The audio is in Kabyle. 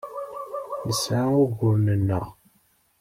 Nesɛa uguren-nneɣ.